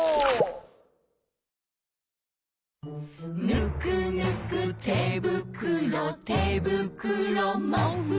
「ぬくぬくてぶくろてぶくろもふもふ」